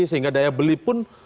sehingga daya beli pun